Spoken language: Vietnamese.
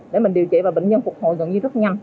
để mình điều trị và bệnh nhân phục hồi gần như rất nhanh